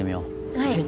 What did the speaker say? はい。